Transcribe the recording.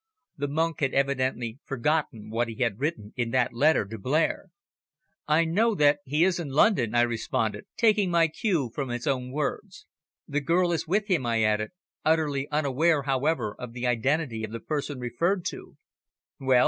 The monk had evidently forgotten what he had written in that letter to Blair. "I know that he is in London," I responded, taking my cue from his own words. "The girl is with him," I added, utterly unaware however of the identity of the person referred to. "Well?"